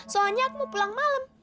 soalnya aku mau pulang malam